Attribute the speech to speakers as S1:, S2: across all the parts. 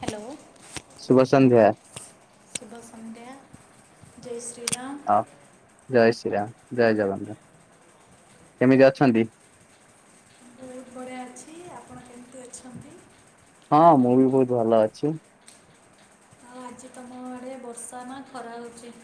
S1: Hello
S2: ଶୁଭ ସନ୍ଧ୍ୟା
S1: ଶୁଭ ସନ୍ଧ୍ୟା। ଜୟ ଶ୍ରୀ ରାମ।
S2: ଆ ଜୟ ଶ୍ରୀରାମ ଜୟ ଜଗନ୍ନାଥ। କେମିତି ଅଛନ୍ତି?
S1: ବହୁତ ବଢ଼ିଆ ଅଛି ଆପଣ କେମିତି ଅଛନ୍ତି?
S2: ହଁ ମୁଁ ବି ବହୁତ୍ ଭଲ ଅଛି।
S1: ଆଉ ଆଜି ତମ ଆଡ଼େ ବର୍ଷା ନା ଖରା ହେଉଛି।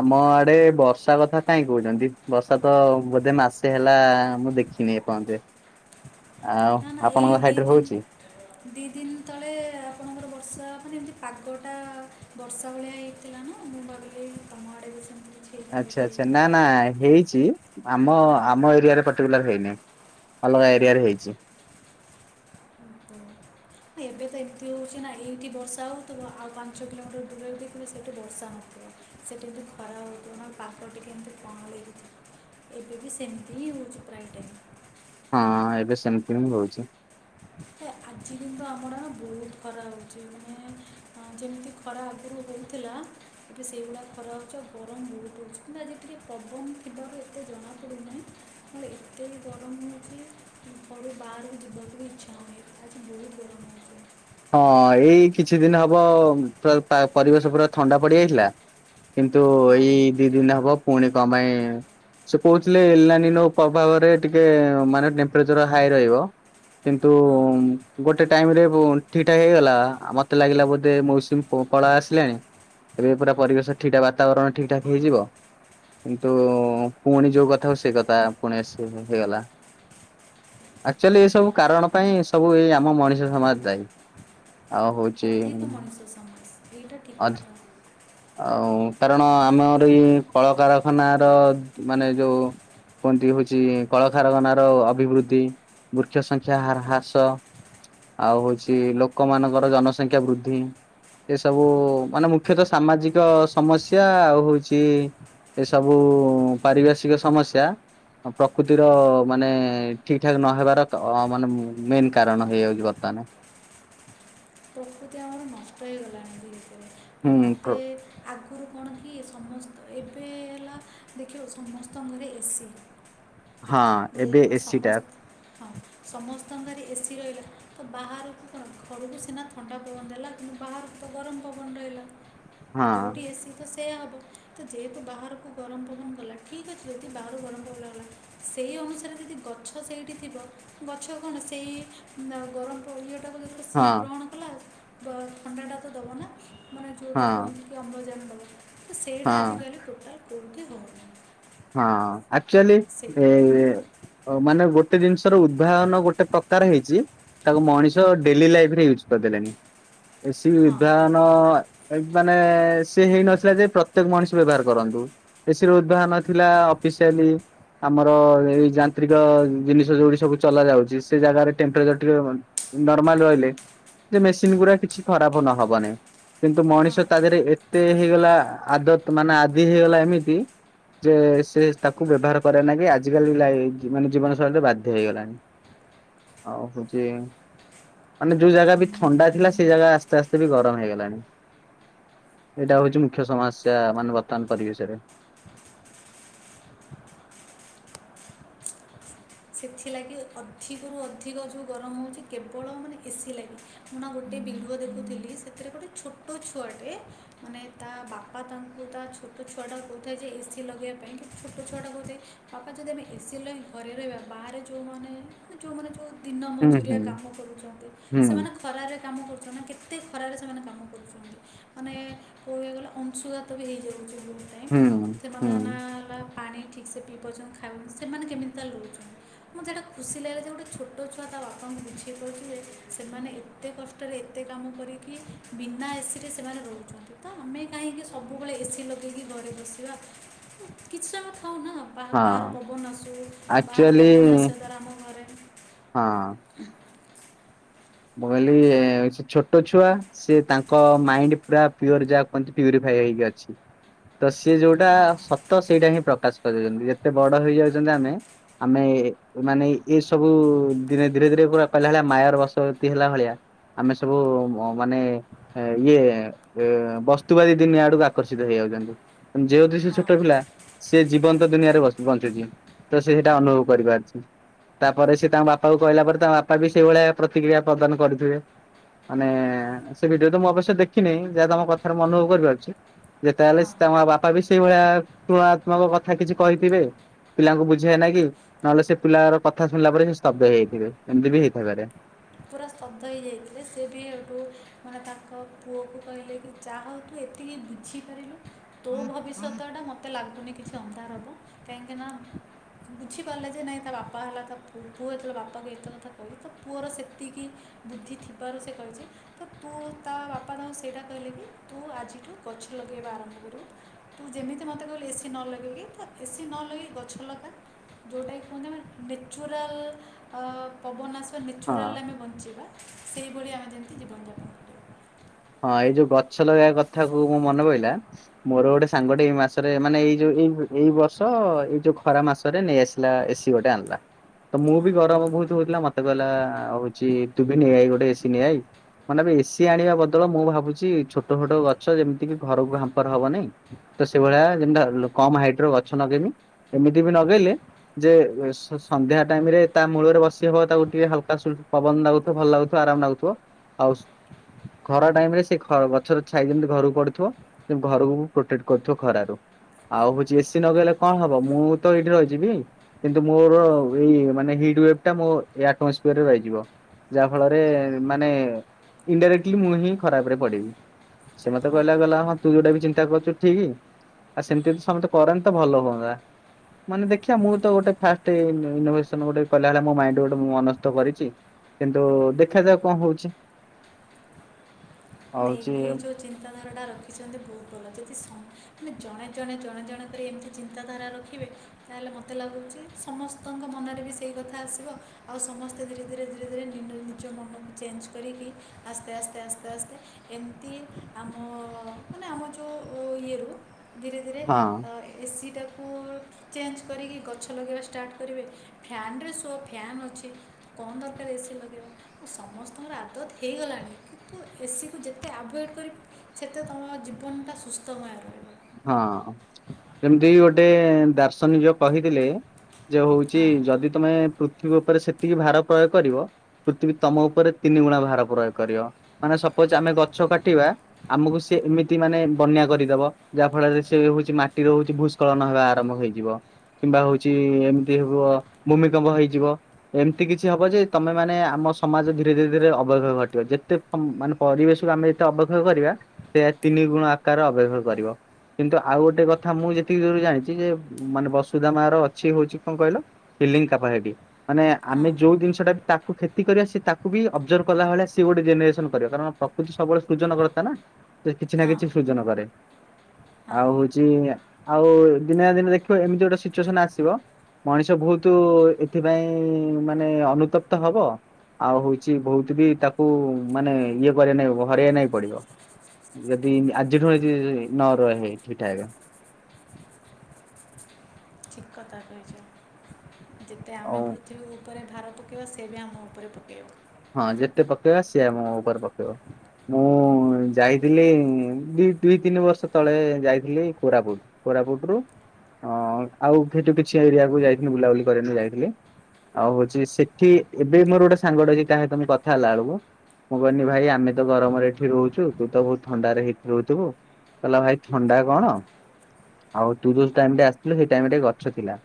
S2: ଆମ ଆଡ଼େ ବର୍ଷା କଥା କାହିଁ କହୁଛନ୍ତି ବର୍ଷା ତ ବୋଧେ ମାସେ ହେଲା ମୁଁ ଦେଖ ନି ଏ ପର୍ଯ୍ୟନ୍ତ।
S1: [unintelligible] ନା ନା ଏଇ ଦି ତି
S2: ହଉଛି
S1: ଦିନ୍ ଦିଇ ଦିନ୍ ତଳେ ଆପଣଙ୍କର ବର୍ଷା ମାନେ ଏମିତି ପାଗଟା ବର୍ଷା ଭଳିଆ ହେଇଥିଲା ନା ମୁଁ ଭାବିଲି ତମ ଆଡ଼େ ବି ସେ
S2: ଆଚ୍ଛା ଆଚ୍ଛା ନା ନା ହେଇଛି। ଆମ ଆମ ଏରିଆରେ ପଟିକୁଲାର ହେଇନ ଅଲଗା ଏରିଆରେ ହେଇଛି।
S1: [unintelligible] ଏବେ ତ ଏମିତି ହେଉଛି ନା ଏଇଠି ବର୍ଷା ହଉଥିବ ଆଉ ପାଞ୍ଚ କିଲୋମିଟର ଦୂର ରେ ଦେଖିବେ ସେଇଠି ବର୍ଷା ହଉ ସେଠି ଖରା ହଉଥିବା ପାଇଁ ଟିକେ [unintelligible] ଥିବ। ଏବେ ବି ସେମିତି ହିଁ ହେଉଛି ପ୍ରାଏଟାଇମ୍।
S2: ହଁ ଏବେ ସେମିତି ହଁ ହଉଛି।
S1: ଆଜି କି ତ ଆମର ବହୁତ୍ ଖରା ହଉଛି ମାନେ ଯେମିତି ଖରା ଆଗ ହେଉଥିଲା ଏବେ ସେଇଗୁଡ଼ା ଖରା ହେଉଛି ଆଉ ଗରମ ବହୁତ୍ ହଉଛି ପୁରା ଆଜି ଟିକେ ପବନ ଥିବାର ଏତେ ଜଣାପଡ଼ୁନାହିଁ ମାନେ ଏତେ ବି ଗରମ ହେଉଛି ଘରୁ ବାହାରୁ ଯିବାକୁ ଇଚ୍ଛା [unintelligible]
S2: ହଁ ଏଇ କିଛି ଦିନ ହବ ପ ପରିବେଶ ପୁରା ଥଣ୍ଡା ପଡିଯାଇଥିଲା। କିନ୍ତୁ ଏଇ
S1: ହଁ
S2: ଦି ଦିନ ହବ ପୁଣି କଁ ପାଇଁ ସେ କହୁଥିଲେ ଲାନିଲୋ ପ୍ରଭାବରେ ଟିକେ ମାନେ ଟେମ୍ପ୍ରେଚର ହାଇ ରହିବ। କିନ୍ତୁ
S1: ହଁ
S2: ଗୋଟେ ଟାଇମ୍ ରେ ଠିକ୍ ଠାକ ହେଇଗଲା ମତେ ଲାଗିଲା ବୋଧେ ମୌସୁମୀ ପଳେଇ ଆସିଲାଣି। ଏବେ ପୁରା ପରିବେଶ ଠିକା ବାତାବରଣ ଠିକ୍ ଠାକ ହେଇଯିବ। କିନ୍ତୁ ପୁଣି ଯୋଉ କଥା ହଉ ସେ କଥା ପୁଣି ଆସି ହେଇଗଲା। ଆକ୍ଚୁଆଲି ଏଇ ସବୁ କାରଣ ପାଇଁ ସବୁ ଏଇ ଆମ ମଣିଷ ସମାଜ ଦାୟୀ। ଆ ହଉଛି।
S1: ଅଧିକ ମଣିଷ ସମାଜ ଏଇଟା ଠିକ୍ [unintelligible]
S2: ଆଉ କାରଣ ଆମର ଏଇ କଳକାରଖାନ ର ମାନେ ଯୋଉ କୁହନ୍ତି ହଉଛି କଳକାରଖାନ ର ଅଭିବୃଦ୍ଧି ବୃକ୍ଷ ସଂଖ୍ୟା ହାର ହ୍ରାସ। ଆଉ ହଉଛି ଲୋକମାନଙ୍କର ଜନସଂଖ୍ୟା ବୃଦ୍ଧି। ଏସବୁ ମାନେ ମୁଖ୍ୟତଃ ସାମାଜିକ ସମସ୍ୟା ଆଉ ହଉଛି। ଏସବୁ ପାରିପାର୍ଶ୍ଵିକ ସମସ୍ୟା। ଅ ପ୍ରକୃତିର ମାନେ ଠିକ ଠାକ ନହେବାର ଅ ମାନେ ଉଁ ମେନ୍ କାରଣ ହେଇଯାଉଛି ବର୍ତ୍ତ ମାନେ।
S1: ପ୍ରକୃତି ଆମର ନଷ୍ଟ ହେଇଗଲାଣି ଧୀରେ ଧୀରେ ମାନେ ମୋତେ
S2: ହୁଁ
S1: ଆଗ ଆ। ଗୁରୁ କଣ କି ସମସ୍ତ ଏବେ ହେଲା ଦେଖିବ ସମସ୍ତଙ୍କ ଘରେ ଏ ସି
S2: ହଁ ଏବେ
S1: ଯେହେତୁ
S2: ଏସିଟା
S1: ସମସ୍ତ ହଁ ସମସ୍ତଙ୍କ ଘରେ ଏ ସିି ରହିଲା। ତ ବାହାରକୁ କଣ ଘରକୁ ସିନା ଥଣ୍ଡା ପବନ ଦେଲା କିନ୍ତୁ ବାହାରକୁ ତ ଗରମ ପବନ ରହିଲା।
S2: ହଁ
S1: ଯଉଠି ଏ ସି ତ ସେଇଆ ହେବ ତ ଯେହେତୁ ବାହାରକୁ ଗରମ ପବନ ଗଲା ଠିକ୍ ଅଛି ଯଦି ବାହାରକୁ ଗରମ ପବନ ଗଲା ସେଇ ଅନୁସାରେ ଯଦି ଗଛ ସେଇଠି ଥିବ ଗଛ କଣ ସେଇ ଉଁ ବା ଗରମ ପ ଇଏ ଟାକୁ ଯେତେବେଳେ
S2: ହଁ
S1: ସିଏ ଗ୍ରହଣ କଲା ବ ଥଣ୍ଡାଟା ତ ଦବନା। ମାନେ
S2: ହଁ
S1: ଯଉଟା କୁହନ୍ତି କି ଅମ୍ଳଜାନ ଦବ ତ ସେଇଟା
S2: ହଁ
S1: ଆଜିକାଲି ଟୋଟାଲ କଉଠି ହଉନି।
S2: ହଁ ଆକ୍ଚୁଲି ଏ। ଅ ମାନେ ଗୋଟେ ଜିନିଷର ଉଦ୍ଭାବନ ଗୋଟେ ପ୍ରକାର ହେଇଛି। ତାକୁ ମଣିଷ ଡେଲି ଲାଇଫ ରେ ୟୁଜ୍ କରିଦେଲେଣିି ଏ ସି
S1: ହଁ
S2: ଉଦ୍ଭାବନ। ଏଇ ମାନେ ଏ ସି ହେଇନଥିଲା ଯେ ପ୍ରତ୍ୟେକ ମଣିଷ ବ୍ୟବହାର କରନ୍ତୁ ଏ ସିି ର ଉଦ୍ଭାବନ ଥିଲା ଅଫିସିଆଲି। ଆମର ଏଇ ଯାନ୍ତ୍ରିକ ଜିନିଷ ଯୋଉଠି ସବୁ ଚଲା ଯାଉଛି ସେ ଜାଗାରେ ଟେମ୍ପରେଚର ଟିକେ ବ। ନର୍ମାଲ ରହିଲେ ସେ ମେସିନ ଗୁରା କିଛି ଖରାପ ନ ହବନି। କିନ୍ତୁ ମଣିଷ
S1: ହଁ
S2: ତା ଦେହରେ ଏତେ ହେଇଗଲା ଆଦତ ମାନେ ଆଦି ହେଇଗଲା ଏମିତି। ଯେ ସେ ତାକୁ ବ୍ୟବହାର କରେ ନା କି ଆଜିିକାଲି ଲାଇ ଯୁ ମାନେ ଜୀବନ ଶୈଳୀରେ ବାଧ୍ୟ ହେଇଗଲାଣି। ଆଉ ହଉଚି। ମାନେ ଯୋଉ ଜାଗା ବି ଥଣ୍ଡା ଥିଲା ସେଇ ଜାଗା ଆସ୍ତେ ଆସ୍ତେ ବି ଗରମ ହେଇଗଲାଣି। ଏଇଟା ହଉଛି ମୁଖ୍ୟ ସମସ୍ୟା ମାନେ ବର୍ତ୍ତମାନ ପରିବେଶରେ।
S1: ସେଥିଲାଗି ଅଧିକରୁ ଅଧିକ ଯଉ ଗରମ ହଉଛି କେବଳ ମାନେ ଏ ସି ଲାଗି ମୁଁ ନା ଗୋଟେ ବି ଭିଡିଓ ଦେଖୁଥିଲି ସେଥିରେ ଗୋଟେ ଛୋଟ ଛୁଆଟେ ମାନେ ତା ବାପା ତାଙ୍କୁ ତା ଛୋଟ ଛୁଆଟା କହୁଥାଏ ଯେ ଏ ସି ଲଗେଇବା ପାଇଁ କିନ୍ତୁ ଛୋଟ ଛୁଆଟା କହୁଥାଏ ପାପା ଯଦି ଆମେ ଏ ସି ଲଗେଇ ଘରେ ରହିବା। ବାହାରେ ଯଉମାନେ ମାନେ ଯଉମାନେ ଯଉ ଦିନ
S2: ହୁଁ
S1: ମଜୁରିଆ
S2: ହୁଁ
S1: କାମ କରୁଛନ୍ତି
S2: ହୁଁ
S1: ସେମାନେ ଖରାରେ। କାମ କରୁଛନ୍ତି ନା କେତେ ଖରାରେ ସେମାନେ କାମ କରୁଛନ୍ତି ମାନେ କହିବାକୁ ଗଲେ ଅଂଶୁଘାତ ବି ହେଇଯାଉ ଚି ବହୁତ୍ ଟାଇମ୍
S2: ହୁଁ। ହୁଁ
S1: ସେମାନେ
S2: ହଁ
S1: ନା ହେଲା ପାଣି ଠିକ ସେ ପିଇ ପାରୁଛନ୍ତି ଖାଉନା ସେମାନେ କେମିତି ତାହେଲେ ରହୁଛନ୍ତି। ମୋତେ ଏଇଟା ଖୁସି ଲାଗିଲା ଯେ ଗୋଟେ ଛୋଟ ଛୁଆ ତା ବାପାଙ୍କୁ ବୁଝେଇ ପାରୁଛି ଯେ ସେମାନେ ଏତେ କଷ୍ଟରେ ଏତେ କାମ କରିକି ବିନା ଏ ସି ରେ ସେମାନେ ରହୁଛନ୍ତି ତ ଆମେ କାହିଁକି ସବୁବେଳେ ଏ ସି ଲଗେଇକି ଘରେ ବସିବା କିଛିଟା କ ହଉନା ବା-ବାହାରୁ ପବନ ଆସୁ ବାହାର
S2: ଆକ୍ଚୁଆଲି
S1: ପବନ ଆସିବା ଦ୍ୱାରା ଆମ ଘରେ
S2: ହଁ।
S1: ହ
S2: ମୁଁ କହିଲି ଏ ସେ ଛୋଟ ଛୁଆ ସେ ତାଙ୍କ ମାଇଣ୍ଡ ପୁରା ପିଓର ଯାହା କୁହନ୍ତି ପ୍ୟୁରିଫାଏ ହେଇକି ଅଛି।
S1: ହ
S2: ତ ସିଏ ଯୋଉଟା ସତ ସେଇଟା ହିଁ ପ୍ରକାଶ କରୁଉଛନ୍ତି ଯେତେ ବଡ ହେଇଯାଉଛନ୍ତି ଆମେ। ଆମେ ମାନେ ଏଇ ସବୁ ଦିନେ ଧୀରେ ଧୀରେ ପୁରା କହିଲା ଭଳିଆ ମାୟାର ବସ ଭୂତି ହେଲା ଭଳିଆ। ଆମେ ସବୁ ମ ମାନେ ଏ ଇଏ ଏ ବସ୍ତୁବାଦୀ ଦୁନିଆ ଆଡକୁ ଆକର୍ଷିତ ହେଇ ଯାଉଛନ୍ତି ଯେହେତୁ ସେ
S1: ହଁ
S2: ଛୋଟ ପିଲା ସେ ଜୀବନ୍ତ ଦୁନିଆରେ ବସ ବଞ୍ଚୁଛି। ତ ସେ ସେଟା ଅନୁଭବ କରିପାରୁଛି ତାପରେ ସେ ତାଙ୍କ ବାପାକୁ କହିଲା ପରେ ତାଙ୍କ ବାପା ବି ସେଇଭଳିଆ ପ୍ରତିକ୍ରିୟା ପ୍ରଦାନ କରିଥିବେ। ମାନେ ସେ ଭିଡିଓ ତ ମୁଁ ଅବଶ୍ୟ ଦେଖିନି ଯାହା ତମ କଥାରୁ ମୁଁ ଅନୁଭବ କରିପାରୁଛି। ଯେତେ ହେଲେ ସ
S1: ହଁ
S2: ତାଙ୍କ ବାପା ବି ସେଇଭଳିଆ ତୁଳନାତ୍ମକ କଥା କିଛି କହିଥିବେ। ପିଲାଙ୍କୁ ବୁଝିବା ନା କି ନହେଲେ ସେ ପିଲାର କଥା ଶୁଣିଲା ପରେ ସେ ସ୍ତବ୍ଧ ହେଇଯାଇଥିବେ ଏମିତି ବି ହେଇଥିଇପରେ।
S1: ପୁରା ସ୍ତବ୍ଧ ହେଇଯାଇଥିଲେ ସେ ବି ହେଠୁ ମାନେ ତାଙ୍କ ପୁଅକୁ କହିଲେ କି ଚାହା ତୁ ଏତିକି ବୁଝିପାରିଲୁ ତୋ ଭବିଷ୍ୟତ ଟା ମତେ ଲାଗୁନି ଶବ୍ଦା ହବ କାହିଁକ ନା ବୁଝିପାରିଲେ ଯେ ନାଇଁ ତା ବାପା ହେଲା ତା ପୁଅ ଯେତେବେ ବାପାଙ୍କୁ ଏତ କଥା କହିଲି ତ ପୁଅର ସେ ଏତିକି ବୁଦ୍ଧି ଥିବାର ସେ କହିଛି ତ ତୁ ତା ବାପା ତା ସେଇଟା କହିଲେ କି ତୁ ଆଜି ଗଛ ଲଗେଇବା ଆରମ୍ଭ କରୁ ତୁ ଯେମିତି ମୋତେ କହିଲୁ ଏସି ନ ଲଗେଇକି ତ ଏସି ନ ଲଗେଇ ଗଛ ଲଗା ଯୋଉଟାକି କୁହନ୍ତି ନେଚୁରାଲ୍ ଆଁ ପବନ ଆସିବ। ତ ନେଚୁରାଲ
S2: ହଁ
S1: ଆମେ ବଞ୍ଚିବା ସେହିଭଳି ଆମେ ଯେମିତି ଜୀବନଯାପନ କରିବା।
S2: ହଁ ଏଇ ଯୋଉ ଗଛ ଲଗେଇବା କଥା କୁ ମୁଁ ମନେ ପହିଲା ମୋର ଗୋଟେ ସାଙ୍ଗଟେ ଏଇ ମାସରେ ମାନେ ଏଇ ଯୋଉ ଏଇ ଏଇ ବର୍ଷ ଏଇ ଯୋଉ ଖରା ମାସରେ ନେଇ ଆସିଲା ଏସିି ଗୋଟେ ଆଣିଲା। ତ ମୁଁ ବି
S1: ହଁ
S2: ଗରମ ବହୁତ ହଉଥିଲା ମତେ କହିଲା ହଉଛି ତୁ ବି ନେଇ ଆଇ ଗୋଟେ ଏସିି ନେଇ ଆଇ ମାନେ ବି ଏସିି ଆଣିବା ବଦଳ ମୁଁ ଭାବୁଛି ଛୋଟ ଛୋଟ ଗଛ ଯେମିତି କିି ଘରକୁ ଭାମ୍ପର ହବନାଇଁ। ତ ସେଇଭଳିଆ ତିନିଟା ଲୋକ ଆମ ହାଇଟ ର ଗଛ ନଗେନି। ଏମିତି ବି ନଗେଇଲେ ଯେ ସନ୍ଧ୍ୟା ଟାଇମ୍ ରେ ତା ମୂଳରେ ବସି ହବ ତାକୁ ଟିକେ ହାଲକା ସୁଲ ପବନ ଲାଗୁଥିବ ଭଲ ଲାଗୁଥିବ ଆରାମ ଲାଗୁଥିବ ଆଉ ଖରା ଟାଇମ ରେ ସେ ଗଛ ଛାଇ ଯେମିତି ଘରକୁ ପଡୁଥିବ ସେମତି ଘରକୁ ପ୍ରୋଟେକ୍ଟ କରୁଥିବ ଖରାରୁ। ଆଉ ହଉଛି ଏସିି ନଗେଇଲେ କଣ ହବ ମୁଁ ତ ଏଇଠି ରହିଯିବି କିନ୍ତୁ ମୋର ଏଇ ମାନେ [unintelligible] ରହିଯିବ ଯାହା ଫଳରେ ମାନେ ଇଣ୍ଡାରେକ୍ଟ ମୁଁ ହିଁ ଖରାପ ରେ ପଡିବି ସେ ମତେ
S1: ହଁ
S2: କହିଲା ଗଲା ହଁ ତୁ ଯୋଉଟା ବି ଚିନ୍ତା କରୁଛୁ ଠିକ୍। ଆଉ ସେମିତି ସମସ୍ତେ କରନ୍ତି ତ ଭଲ ହୁଅନ୍ତା। ମାନେ ଦେଖିବା ମୁଁ ତ ଗୋଟେ ଫାଷ୍ଟ ଇନୋଭସନ ଗୋଟେ କ ହେ ମୋ ମାଇ ଗୋଟେ ମୁ ଅନ କରିଛି। କିନ୍ତୁ ଦେଖାଯାଉ କଣ ହଉଛି?
S1: [inaudible]
S2: ଆଉ
S1: ନାଇଁ
S2: ହଉଛି
S1: ଏଇ ଯେଉଁ ଚିନ୍ତାଧାରାଟା ରଖିଛନ୍ତି ବହୁତ ଭଲ ଯଦି ଆମେ ଜଣେ ଜଣେ ଜଣେ ଜଣେ କରି ଏମିତି ଚିନ୍ତାଧାରା ରଖିବେ ତାହେଲେ ମୋତେ ଲାଗୁଛି ସମସ୍ତଙ୍କ ମନରେ ବି ସେଇ କଥା ଆସିବ ଆଉ ସମସ୍ତେ ଧୀରେ ଧୀରେ ଧୀରେ ଧୀରେ ନିଜ ମନକୁ ଚେଞ୍ଜ କରିକି ଆସ୍ତେ ଆସ୍ତେ ଆସ୍ତେ ଆସ୍ତେ ଏମିତି ଆମ ମାନେ ଆମ ଯେଉଁ ଇଏରୁ ଧୀରେ ଧୀରେ
S2: ହଁ
S1: ଏସିଟାକୁ ଚେଞ୍ଜ କରିକି ଗଛ ଲଗେଇବା ଷ୍ଟାର୍ଟ କରିବେ ଫ୍ୟାନ ରେ ସୁୁଅ ଫ୍ୟାନ୍ ଅଛି କଣ ଦରକାର [unintelligible] ସମସ୍ତଙ୍କର ଆଦତ ହେଇଗଲାଣି କିନ୍ତୁ ଏସି ତୁ ଯେତେ ଆଭଏଡ଼୍ କରିବି ସେତେ ତୁମ ଜୀବନଟା ସୁସ୍ଥମୟ ରହିବ।
S2: ହଁ। ଯେ ହଉଛି ଯଦି ତମେ ପୃଥିବୀ ଉପରେ ସେତିକି ଭାର ପ୍ରୟୋଗ କରିବ ପୃଥିବୀ ତମ ଉପରେ ନିମୁଣା ଭାର ପ୍ରୟୋଗ କରିବ ମାନେ ସୋପୋଚ
S1: ଏ
S2: ଆମେ ଗଛ କାଟିବା ଆମକୁ ସେମତି ମାନେ ବନେଆକୁ କରିଦବ ଯାହା ଫଳରେ ସେ ହଉଛି ମାଟିର ହଉଛି ଭୂସ୍କଳନ ହେବା ଆରମ୍ଭ ହେଇଯିବ। କିମ୍ବା ହଉଛି ଏମିତି ହବ ଭୂମିକମ୍ପ ହେଇଯିବ ଏମିତି କିଛି ହବ ଯେ ତମେ ମାନେ ଆମ ମ ସମାଜ ଧୀରେ ଧୀରେ ଧୀରେ ଅବକ୍ଷ ଘଟିବ ଯେତେ ମାନେ ପରିବେଶକୁ ଆମେ ଯେତେ ଅବକ୍ଷେକ୍ଷ କରିବା ସେ ତିନି ଗୁଣ ଆକାର ଅବଭେବ କରିବ। କିନ୍ତୁ ଆଉ ଗୋଟେ କଥା ମୁଁ ଯେତିକି ଦୂର ଜାଣିଛି ଯେ ମାନେ ବସୁଧା ମା ର ଅଛି ହଉଛି କଣ କହିଲ ଡ଼ିଲିଙ୍ଗ କାପାସିଟି ମାନେ
S1: ହଁ
S2: ଆମେ ଯୋଉ ଜିନିଷଟା ବି ତାକୁ କ୍ଷତି କରିବା ସେ ତାକୁ ବି ଅବଜର୍ଭ କଲା ଭଳିଆ ସେ ଗୋଟେ ଜେନେରେସନ କରିବା କାରଣ ପ୍ରକୃତି ସବୁବେଳେ ସୃଜନ କଥା ନା କିଛି ନା
S1: ହଁ
S2: କିଛି ସୃଜନ କରେ।
S1: ହଁ
S2: ଆଉ ହଉଛି ଆଉ ଦିନେ ଦିନେ ଦେଖିବ ଏମିତି ଗୋଟେ ସିଚୁଏସନ ଆସିବ ମଣିଷ ବହୁତ ଏଥିପାଇଁ ମାନେ ଅନୁତପ୍ତ ହବ। ଆଉ ହଉଛି ବହୁତ ବି ତାକୁ ମାନେ ଇଏ କର ନାଇଁ ହରାଇ ନାଇଁ ପଡିବ। ଯଦି ଆଜିଠୁ ଯଦି ନର ହେଇଠି ଠିକ୍ ଠାକ୍।
S1: ବହୁତ କଥା କହିଛ ଯେତେ ଆମେ
S2: ଆଉ
S1: ପୃଥିବୀ କୁ ଉପରେ ଭାର ପକାଇବ ସେ ବି ଆମ ଉପରେ ପକାଇବ।
S2: ହଁ ଯେତେ ପକେଇବା ସେ ଆମ ଉପରେ ପକେଇବ। ମୁଁ ଯାଇଥିଲି ଦି ଦୁଇ ତିନି ବର୍ଷ ତଳେ ଯାଇଥିଲି କୋରାପୁଟ। କୋରାପୁଟରୁୁ ଅ ଆଉ ସେଠୁ କିଛି ଏରିଆକୁ ଯାଇଥିଲି ବୁଲାବୁଲି କରିବା ପାଇଁ ଯାଇଥିଲି। ଆଉ ହଉଛି ସେଠି ଏବେ ମୋର ଗୋଟେ ସାଙ୍ଗଟେ ଅଛି ତା ସହିତ ମୁଁ କଥା ହେଲା ବେଳକୁ ମୁଁ କହନି ଭାଇ ଆମେ ତ ଗରମରେ ଏଠି ରହୁଛୁ ତୁ ତ ବହୁତ ଥଣ୍ଡାରେ ହେଠି ରହୁଥିବୁ। କହିଲା ଭାଇ ଥଣ୍ଡା କଣ ଆଉ ତୁ ଯୋଉ ଟାଇମ୍ ରେ ଆସିଥିଲୁ ସେଇ ଟାଇମ୍ ରେ ଗଛ ଥିଲା।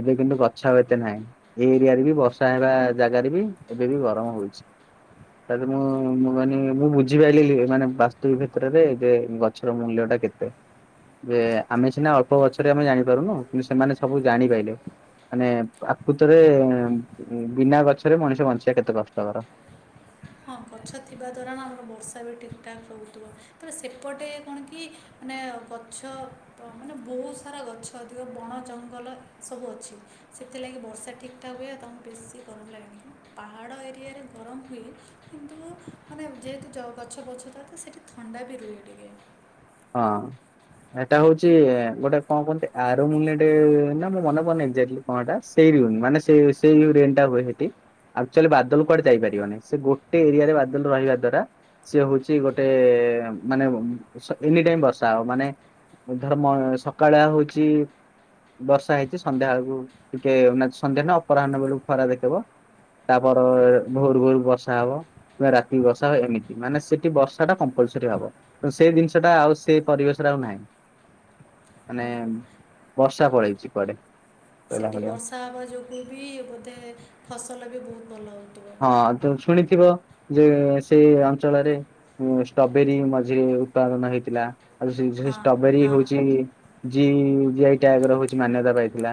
S2: ଏବେ କିନ୍ତୁ ଗଛ ଆଉ ଏତେ ନାହିଁ ଏଇ ଏରିଆରେ ବି ବର୍ଷା ହେବା ଜାଗାରେ ବି ଏବେ ବି ଗରମ ହଉଛି। ତା ପରେ ମୁଁ ମୁଁ କହିନି ମୁଁ ବୁଝିପାରଲିି ମାନେ ବାସ୍ତବିକତାରେ ଯେ ଗଛର ମୂଲ୍ୟ କେତେ ଯେ ଆମେ ସିନା ଅଳ୍ପ ବଛରେ ଆମେ ଜାଣିପାରୁନୁ କିନ୍ତୁ ସେମାନେ ସବୁ ଜାଣିପାଇଲେ। ମାନେ ଆକୃତରେ ବିନା ଗଛରେ ମଣିଷ ବଞ୍ଚ କେତେ କଷ୍ଟ କର।
S1: ହଁ ଗଛ ଥିବା ଦ୍ୱାରା ଆମର ବର୍ଷା ବି ଠିକ୍ ଠାକ୍ ହଉଥିବ ତ ସେପଟେ କଣ କି ମାନେ ଗଛ ତ ମାନେ ବୋହୁତ୍ ସାରା ଗଛ ଅଧିକ ବଣ ଜଙ୍ଗଲ ସବୁ ଅଛି ସେଥିଲା ଲାକି ବର୍ଷା ଠିକ୍ ଠାକ୍ ହୁଏ ଆଉ ତମ ବେଶୀ ଗରମ ଲାଗେନି ପାହାଡ଼ ଏରିଆରେ ଗରମ ହୁଏ କିନ୍ତୁ ମାନେ ଯେହେତୁ ଗଛ ବଛ ଥାଏ ତ ସେଇଠି ଥଣ୍ଡା ବି ରୁହେ ଟିକେ।
S2: ହଁ। ଏଟା ହଉଛି ଗୋଟେ କଣ କୁହନ୍ତି ଆରୋମଲେଟ୍ ନା ମୁଁ ମନେ ପଡୁନି ଏକ୍ସାଟଲି କଣହେଟା ସେଇ ମାନେ ସେ ସେଇ ଜଉ ରେନ୍ ଟା ହୁଏ ସେଠି। ଆକ୍ଚୁଆଲି ବାଦଲ କୁଆଡେ ଯାଇପାରିବନି ସେ ଗୋଟେ ଏରିଆରେ ବାଦଲ ରହିବା ଦ୍ଵାରା ସେ ହଉଛି ଗୋଟେ ମାନେ ସ ଏନି ଟାଇମ ବର୍ଷା ହବ ମାନେ ଧର ସକାଳୁଆ ହଉଛି ବର୍ଷା ହେଇଛି ସନ୍ଧ୍ୟା ବେଳକୁ ଟିକେ ସନ୍ଧ୍ୟା ନ ଅପରାହ୍ନ ବେଳକୁ ଖରା ଦେଖେଇବ। ତାପର ଭୋରୁ ଭୋରୁ ବର୍ଷା ହବ କିମ୍ବା ରାତିକି ବର୍ଷା ହବ ଏମିତି ମାନେ ସେଠି ବର୍ଷା ଟା କମ୍ପଲ୍ସରି। ସେଠି ହବ ତ ସେ ଜିନିଷ ଟା ଆଉ ସେ ପରିବେଶରେ ଆଉ ନାହିଁ। ମାନେ ବର୍ଷା ପଳେଇଛି କୁଆଡେ଼?
S1: ସେଠି ବର୍ଷା ହବା ଯୋଗୁ ବି ବୋଧେ ଫସଲ ବି ବହୁତ ଭଲ ହଉ
S2: ହଁ ତ ଶୁଣିଥିବ ଯେ ସେ ଅଞ୍ଚଳରେ ଷ୍ଟବେରୀ ମଝିରେ ଉତ୍ପାଦନ ହେଇଥିଲା ଆଉ
S1: ହଁ
S2: ଷ୍ଟବେରୀ
S1: ହଁ
S2: ହଉଛି ଜି ଯି ଜିଆଇ ଟାଗ୍ ର ମାନ୍ୟତା ପାଇଥିଲା।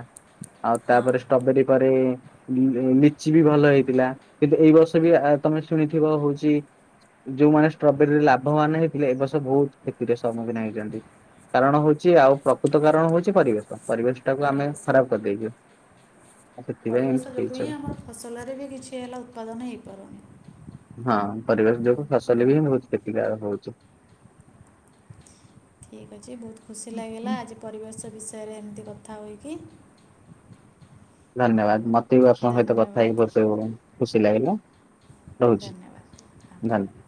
S2: ଆଉ
S1: ହଁ
S2: ତାପରେ ଷ୍ଟ୍ରବେରୀ ପରେ ଲିଚି ବି ଭଲ ହେଇଥିଲା। କିନ୍ତୁ ଏଇ ବର୍ଷ ବି ତମେ ଶୁଣିଥିବ ହଉଛି ଯୋଉମାନେ ଷ୍ଟ୍ରବେରୀରେ ଲାଭବାନ ହେଇଥିଲେ ଏ ବର୍ଷ ବହୁତ କ୍ଷତିର ସମ୍ମୁଖୀନ ହେଇଛନ୍ତି। କାରଣ ହଉଛି ଆଉ ପ୍ରକୃତ କାରଣ ହଉଛି ପରିବେଶ ପରିବେଶ ଟାକୁ ଆମେ
S1: ପରିବେଶ
S2: ଖରାପ କରିଦେଇଛୁ। ଆଉ ସେଥିପାଇଁ ଏମିତି
S1: ପରିବେଶ ଯୋଗୁଁ
S2: ହେଇଛି
S1: ହିଁ
S2: ଆଉ
S1: ଆମର ଫସଲରେ ବି କିଛି ହେଲା ଉତ୍ପାଦନ ହେଇପାରୁନି।
S2: ହଁ ପରିବେଶ ଯୋଗୁ ଫସଲ ବି ବହୁତ କ୍ଷତି କାରକ ହଉଛି।
S1: ଠିକ୍ ଅଛି ବହୁତ ଖୁସି ଲାଗିଲା ଆଜି ପରିବେଶ ବିଷୟରେ ଏମିତି କଥା ହୋଇକି।
S2: ଧନ୍ୟବାଦ ମତେ ବି ଆପଣଙ୍କ ସହିତ କଥା
S1: ଧନ୍ୟବାଦ
S2: ହେଇକି [unintelligible] ଖୁସି ଲାଗିଲା ରହୁଛି।
S1: ଧନ୍ୟବାଦ ହଁ
S2: [unintelligible]